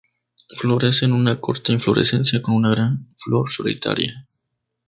Florece en una corta inflorescencia con una gran flor solitaria.